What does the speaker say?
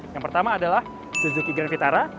yang pertama adalah suzuki grand vitara